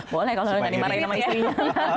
boleh kalau sudah dimarahin sama istrinya